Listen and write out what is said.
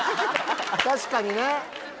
確かにね。